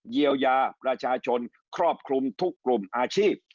เยียวยาประชาชนครอบคลุมทุกกลุ่มอาชีพ